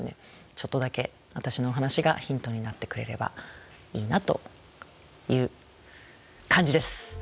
ちょっとだけ私のお話がヒントになってくれればいいなという感じです。